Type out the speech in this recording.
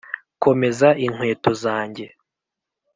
komeza inkweto zanjye.